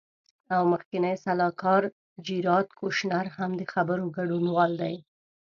او مخکینی سلاکار جیراد کوشنر هم د خبرو ګډونوال دی.